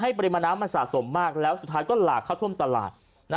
ปริมาณน้ำมันสะสมมากแล้วสุดท้ายก็หลากเข้าท่วมตลาด